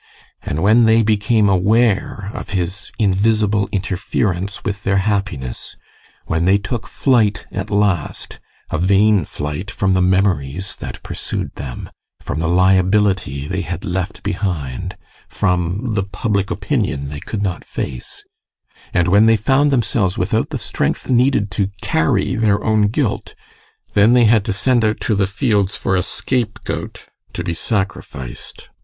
And when they became aware of his invisible interference with their happiness; when they took flight at last a vain flight from the memories that pursued them, from the liability they had left behind, from the public opinion they could not face and when they found themselves without the strength needed to carry their own guilt, then they had to send out into the fields for a scapegoat to be sacrificed.